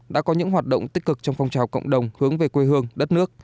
đã có những hoạt động tích cực trong phong trào cộng đồng hướng về quê hương đất nước